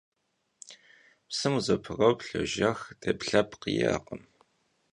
Psım vuzepxroplh, yojjex, têplhepkh yi'ekhım.